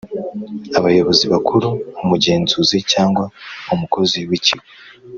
abayobozi bakuru, umugenzuzi cyangwa umukozi w’ikigo